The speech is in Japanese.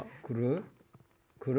来る？